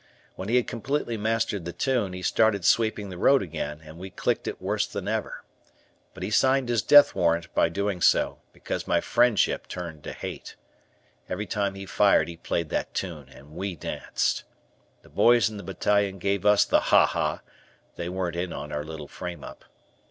When he had completely mastered the tune, he started sweeping the road again and we clicked it worse than ever. But he signed his death warrant by doing so, because my friendship turned to hate. Every time he fired he played that tune and we danced. The boys in the battalion gave us the "Ha! Ha!" They weren't in on our little frame up.